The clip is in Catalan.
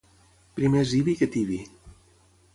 Primer és Ibi que Tibi.